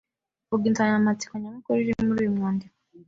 Vuga insanganyamatsiko nyamukuru iri muri uyu mwandiko